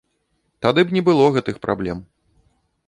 Тады б не было гэтых праблем.